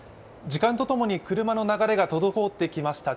時間とともに車の流れが滞ってきました。